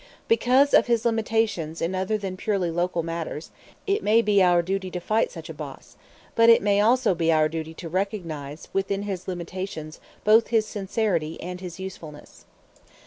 Because of his limitations in other than purely local matters it may be our duty to fight such a boss; but it may also be our duty to recognize, within his limitations, both his sincerity and his usefulness.